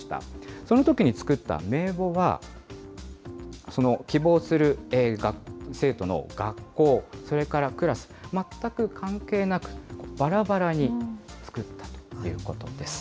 そのときに作った名簿は、希望する生徒の学校、それからクラス、全く関係なく、ばらばらに作ったということです。